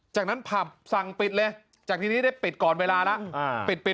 จากนั้นผับสั่งปิดเลยจากทีนี้ได้ปิดก่อนเวลาแล้ว